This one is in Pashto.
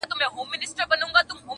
چي مجبور یې قلندر په کرامت کړ-